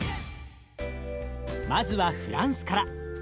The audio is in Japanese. まずはフランスから。